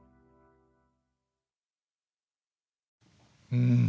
うん。